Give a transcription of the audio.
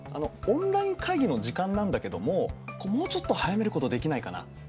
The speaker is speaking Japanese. オンライン会議の時間なんだけどももうちょっと早めることできないかな？